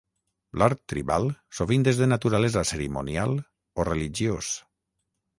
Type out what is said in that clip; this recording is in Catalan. L'art tribal sovint és de naturalesa cerimonial o religiós.